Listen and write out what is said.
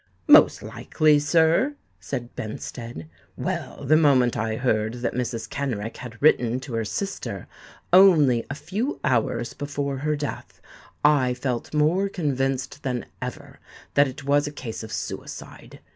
"Most likely, sir," said Benstead. "Well, the moment I heard that Mrs. Kenrick had written to her sister only a few hours before her death, I felt more convinced than ever that it was a case of suicide.